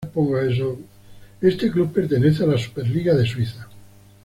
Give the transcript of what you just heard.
Este club pertenece a la Superliga de Suiza.